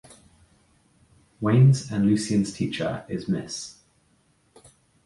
Wayne's and Lucien's teacher is Miss.